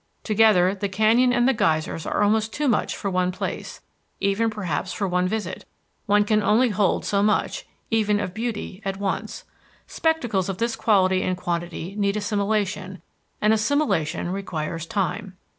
Together, the canyon and the geysers are almost too much for one place, even perhaps for one visit. One can only hold so much, even of beauty, at once. Spectacles of this quality and quantity need assimilation, and assimilation requires time.